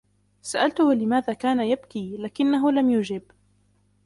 سألته لماذا كان يبكي ، لكنه لم يجب.